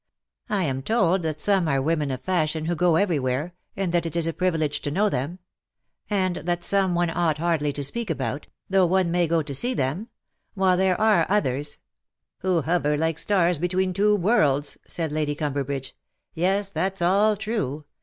I am told that some are women of fashion who go everywhere, and that it is a privilege to know them ; and that some one ought hardly to speak about, though one may go to see them; while there are others "" Who hover like stars between two worlds,' * said Lady Curaberbridge. " Yes, that's all true.